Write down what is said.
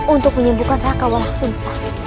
untuk menyembuhkan raka walafsungsa